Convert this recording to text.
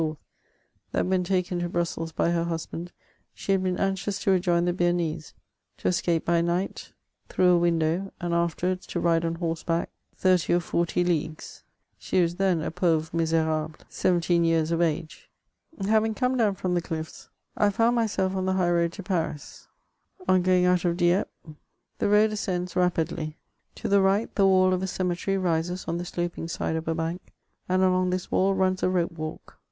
; that when taken to Brussels by her husband, she had been anxious to rejoin the Bearnese — to escape by night through a windowy and afterwards to ride on horseback thirty orfortj/ , leagues ; she was then a pauvre miserable, seventeen years oi age. Having come down from the cliffs, I found myself on tn^ high road to Paris ; on going out of Dieppe the road ascends CHATEAUBRIAND. 447 rapidly. To the right, the wall of a cemetery rises on the sloping side of a bank ; and along this wall runs a rope walk.